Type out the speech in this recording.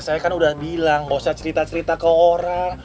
saya kan udah bilang gak usah cerita cerita ke orang